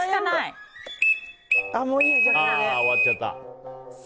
終わっちゃった。